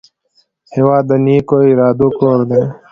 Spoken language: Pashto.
هېواد د نیکو ارادو کور دی.